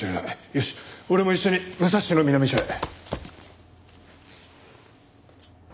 よし俺も一緒に武蔵野南署へ。